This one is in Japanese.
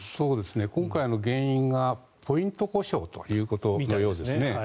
今回の原因がポイント故障ということのようですね。